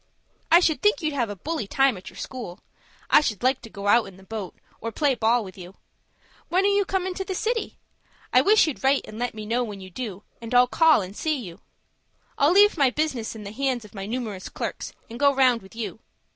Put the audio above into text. _ "I should think you'd have a bully time at your school. I should like to go out in the boat, or play ball with you. When are you comin' to the city? I wish you'd write and let me know when you do, and I'll call and see you. I'll leave my business in the hands of my numerous clerks, and go round with you.